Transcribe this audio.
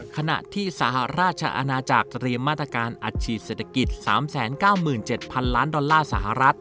ขณะที่สหราชอาณาจักรเตรียมมาตรการอัดฉีดเศรษฐกิจ๓๙๗๐๐ล้านดอลลาร์สหรัฐ